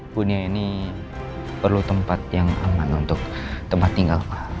bu nia ini perlu tempat yang aman untuk tempat tinggal